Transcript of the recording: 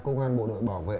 công an bộ đội bảo vệ